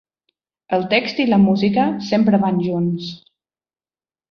El text i la música sempre van junts.